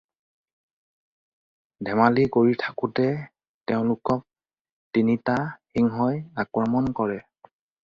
ধেমালি কৰি থাকোঁতে তেওঁলোকক তিনিটা সিংহই আক্ৰমণ কৰে।